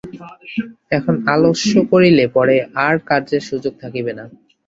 এখন আলস্য করিলে পরে আর কার্যের সুযোগ থাকিবে না।